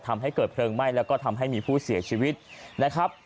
ทำให้เกิดเพลิงไหม้แล้วก็ทำให้มีผู้เสียชีวิตนะครับ